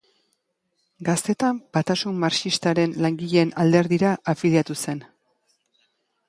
Gaztetan Batasun Marxistaren Langileen Alderdira afiliatu zen.